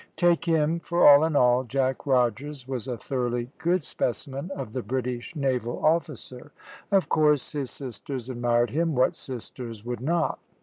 Take him for all in all, Jack Rogers was a thoroughly good specimen of the British naval officer. Of course his sisters admired him what sisters would not?